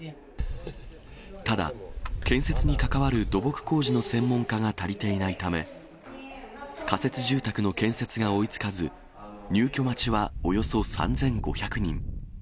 ただ、建設に関わる土木工事の専門家が足りていないため、仮設住宅の建設が追いつかず、入居待ちはおよそ３５００人。